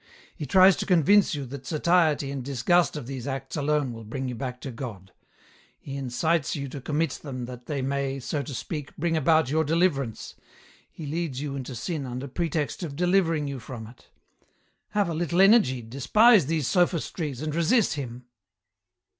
He tries to convince you that satiety and disgust of these acts alone will bring you back to God ; he incites you to commit them that they may, so to speak, bring about your deliverance ; he leads you into sin under pretext of delivering you from it. Have a little energy, despise these sophistries and resist him."